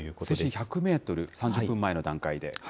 水深１００メートル、３０分前の段階で。